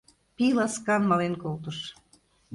Пий ласкан мален колтыш.